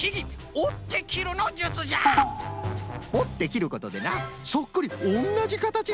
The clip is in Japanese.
おってきることでなそっくりおんなじかたちができるんじゃよ。